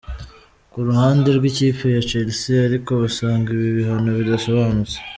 Ku ruhande rw’ikipe ya Chelsea ariko basanga ibi bihano bidasobanutse.